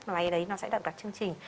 mà máy đấy nó sẽ đậm đặt chương trình